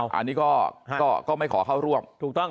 อันนี้ก็ไม่ขอเข้าร่วม